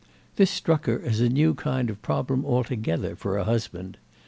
This struck her as a new kind of problem altogether for a husband.